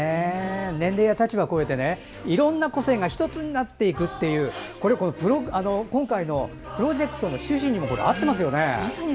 年齢や立場を越えていろんな個性が１つになっていくという今回のプロジェクトの趣旨にも合っていますね。